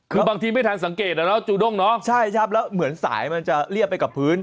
คือบางทีไม่ทันสังเกตอ่ะเนาะจูด้งเนาะใช่ครับแล้วเหมือนสายมันจะเรียบไปกับพื้น